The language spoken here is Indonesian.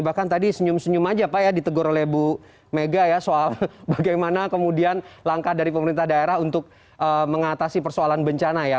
bahkan tadi senyum senyum aja pak ya ditegur oleh bu mega ya soal bagaimana kemudian langkah dari pemerintah daerah untuk mengatasi persoalan bencana ya